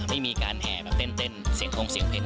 ไม่มีการแห่แบบเต้นเสียงทงเสียงเพลง